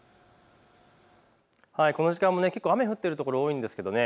この時間も結構、雨が降っている所多いんですね。